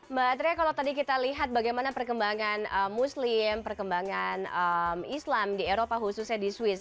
mbak atria kalau tadi kita lihat bagaimana perkembangan muslim perkembangan islam di eropa khususnya di swiss